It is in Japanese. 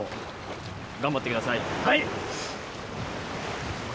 はい！